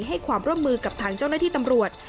ให้ความร่วมมือกับทางเจ้าหน้าที่ตำรวจ